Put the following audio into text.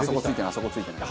あそこついてない。